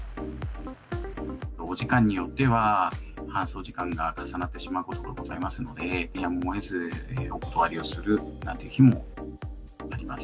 お時間によっては、搬送時間が重なってしまうことがございますので、やむをえずお断りをするなんていう日もあります。